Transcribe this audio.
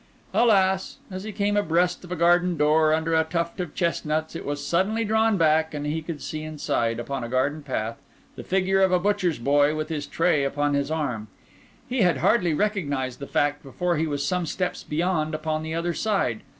Alas! as he came abreast of a garden door under a tuft of chestnuts, it was suddenly drawn back, and he could see inside, upon a garden path, the figure of a butcher's boy with his tray upon his arm. He had hardly recognised the fact before he was some steps beyond upon the other side.